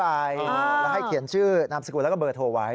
แล้วให้เขียนชื่อนามสกุลแล้วก็เบอร์โทรไว้